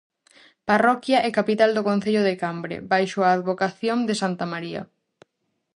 Parroquia e capital do concello de Cambre, baixo a advocación de santa María.